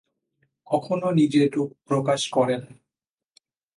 কখনো নিজের রূপ প্রকাশ করে না।